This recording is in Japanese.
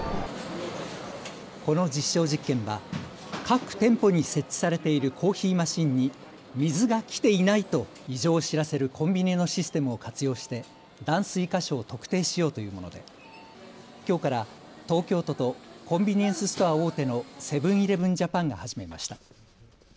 この実証実験は各店舗に設置されているコーヒーマシンに水が来ていないと異常を知らせるコンビニのシステムを活用して断水箇所を特定しようというものできょうから東京都とコンビニエンスストア大手のセブン‐イレブン・ジャパンが始めました。